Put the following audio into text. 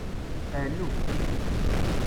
Ɛnu.